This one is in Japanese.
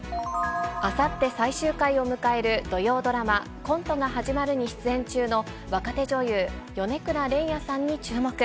あさって最終回を迎える土曜ドラマ、コントが始まるに出演中の若手女優、米倉れいあさんに注目。